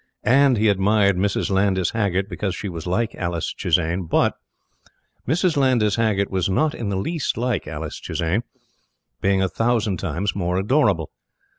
AND he admired Mrs. Landys Haggert because she was like Alice Chisane. BUT Mrs. Landys Haggert was not in the least like Alice Chisane, being a thousand times more adorable.